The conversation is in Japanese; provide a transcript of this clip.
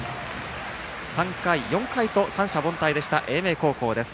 ３回、４回と三者凡退でした英明高校です。